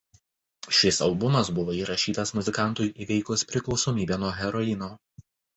Šis albumas buvo įrašytas muzikantui įveikus priklausomybę nuo heroino.